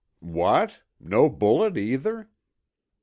"'What! No bullet either?